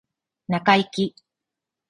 中イキ